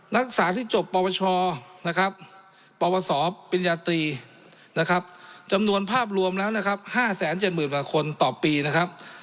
นักศึกษาที่จบปวชปวสปริญญาตรีจำนวนภาพรวมแล้ว๕๗๐๐๐๐วัลลายต่อปีนะครับ